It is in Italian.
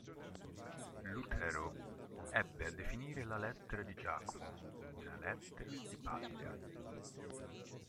Lutero ebbe a definire la Lettera di Giacomo una "lettera di paglia".